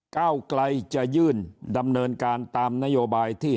ก้าวไกลจะยื่นดำเนินการตามนโยบายที่